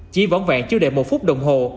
chỉ võng vẹn chưa đợi một phút đồng hồ